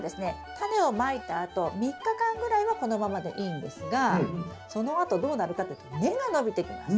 タネをまいたあと３日間ぐらいはこのままでいいんですがそのあとどうなるかというと根が伸びてきます。